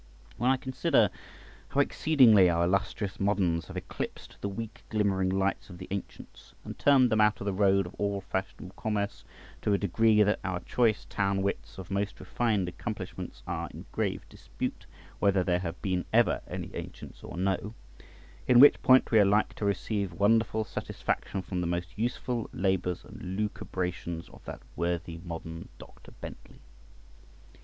When I consider how exceedingly our illustrious moderns have eclipsed the weak glimmering lights of the ancients, and turned them out of the road of all fashionable commerce to a degree that our choice town wits of most refined accomplishments are in grave dispute whether there have been ever any ancients or no; in which point we are like to receive wonderful satisfaction from the most useful labours and lucubrations of that worthy modern, Dr. Bentley.